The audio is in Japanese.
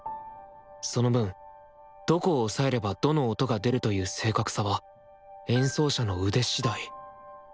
その分どこを押さえればどの音が出るという正確さは演奏者の腕次第。